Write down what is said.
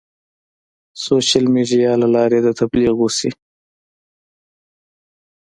سوشیل میډیا له لارې د تبلیغ وشي.